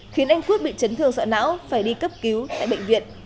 khiến anh quyết bị trấn thương sợ não phải đi cấp cứu tại bệnh viện